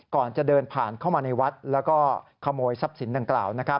ก่อนจะเดินผ่านเข้ามาในวัดแล้วก็ขโมยทรัพย์สินดังกล่าว